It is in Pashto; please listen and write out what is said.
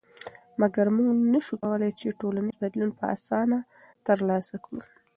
مګر موږ نشو کولی چې ټولنیز بدلون په اسانه تر لاسه کړو.